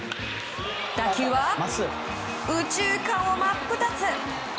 打球は右中間を真っ二つ！